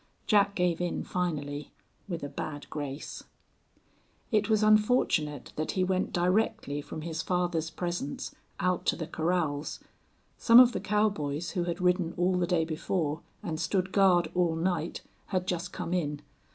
Jack gave in finally with a bad grace. It was unfortunate that he went directly from his father's presence out to the corrals. Some of the cowboys who had ridden all the day before and stood guard all night had just come in.